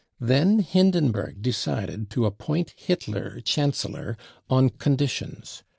Then Hindenburg decided to appoint Hitler 'Chancellor, on conditions.